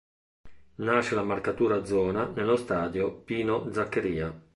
Nasce la marcatura a zona nello stadio Pino Zaccheria.